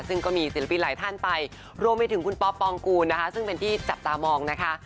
ซึ่งก็มีศิลปินหลายท่านไปรวมไปถึงคุณป๊อปปองกูลนะคะซึ่งเป็นที่จับตามองนะคะ